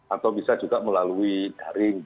atau bisa juga melalui daring